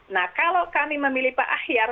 nah kalau kami memilih pak ahyar